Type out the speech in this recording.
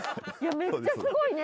めっちゃすごいね！